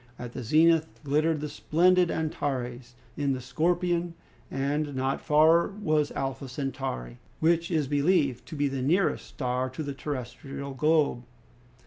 At the zenith glittered the splendid Antares in the Scorpion, and not far was Alpha Centauri, which is believed to be the nearest star to the terrestrial globe.